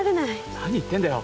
何言ってんだよ